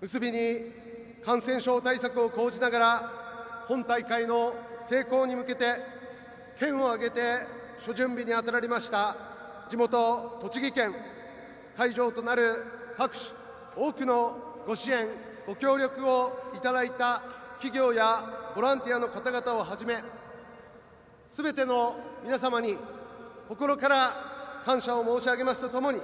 結びに、感染症対策を講じながら本大会の成功に向けて県を挙げて諸準備に当たられました地元・栃木県、会場となる各市多くのご支援・ご協力をいただいた企業やボランティアの方々をはじめすべての皆様に心から感謝を申し上げますとともに